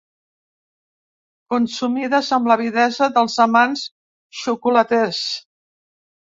Consumides amb l'avidesa dels amants xocolaters.